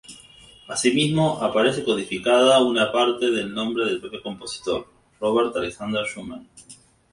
Asimismo, aparece codificada una parte del nombre del propio compositor, Robert Alexander Schumann.